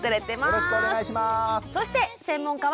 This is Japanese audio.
よろしくお願いします。